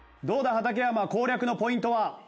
畠山攻略のポイントは？